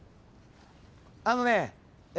あのねえ。